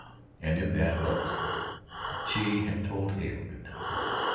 And in that helplessness she had told Hale good night.